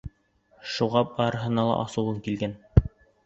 Шуға барыһына ла асыуың килгән.